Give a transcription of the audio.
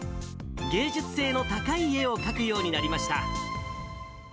芸術性の高い絵を描くようになりました。